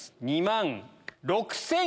２万６９００円。